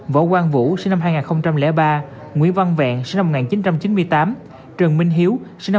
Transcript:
võ quang vũ nguyễn văn vẹn trần minh hiếu